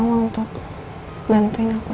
untuk bantuin aku